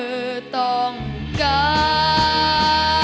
เพราะตัวฉันเพียงไม่อาทัม